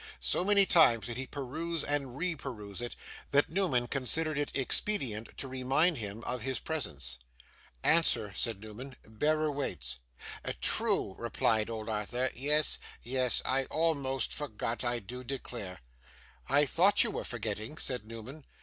So many times did he peruse and re peruse it, that Newman considered it expedient to remind him of his presence. 'Answer,' said Newman. 'Bearer waits.' 'True,' replied old Arthur. 'Yes yes; I almost forgot, I do declare.' 'I thought you were forgetting,' said Newman.